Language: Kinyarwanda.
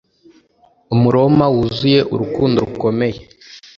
Umuroma wuzuye urukundo rukomeye